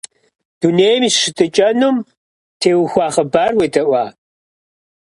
Дунейм и щытыкӏэнум теухуа хъыбарым уедэӏуа?